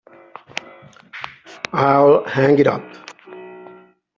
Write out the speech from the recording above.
I'll hang it up.